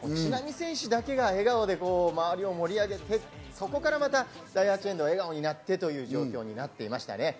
知那美選手だけが笑顔で周りを盛り上げて、そこからまた第８エンド、笑顔になってという状況になっていました。